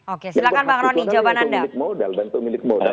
oke silahkan pak roni jawaban anda